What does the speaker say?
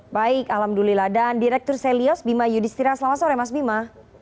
baik alhamdulillah dan direktur selyos bima yudhistira selamat sore mas bima